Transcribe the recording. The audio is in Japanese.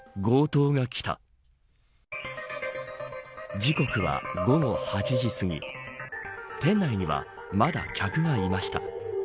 時刻は午後８時すぎ店内には、まだ客がいました。